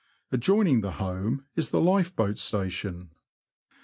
Adjoin ing the Home is the Lifeboat Station.